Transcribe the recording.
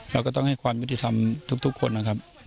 เราก็ต้องให้ความยุติธรรมทุกคนนะครับ